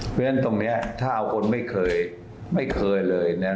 เพราะฉะนั้นตรงนี้ถ้าเอาคนไม่เคยไม่เคยเลยนะ